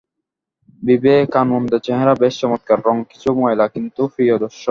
বিবে কানোন্দের চেহারা বেশ চমৎকার, রঙ কিছু ময়লা, কিন্তু প্রিয়দর্শন।